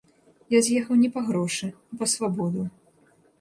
Я з'ехаў не па грошы, а па свабоду.